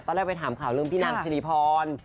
ตั้งแต่ไปถามข่าวเรื่องพี่งานท่ิสิลิพร